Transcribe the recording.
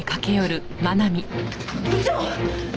部長！